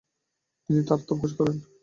তিনি তার আত্মপ্রকাশ করেন।